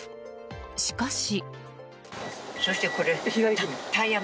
しかし。